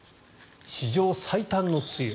史上最短の梅雨。